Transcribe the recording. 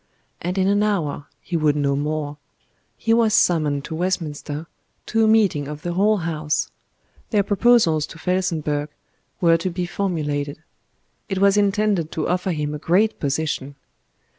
And in an hour he would know more; he was summoned to Westminster to a meeting of the whole House; their proposals to Felsenburgh were to be formulated; it was intended to offer him a great position.